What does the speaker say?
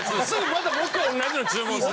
またもう１回同じの注文する。